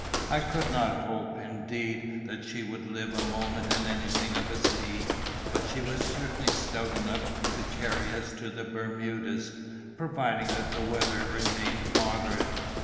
I could not hope, indeed, that she would live a moment in anything of a sea; but she was certainly stout enough to carry us to the Bermudas, providing that the weather remained moderate.